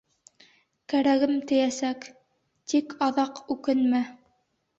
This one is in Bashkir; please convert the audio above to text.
Кәрәгем тейәсәк... тик аҙаҡ үкенмә.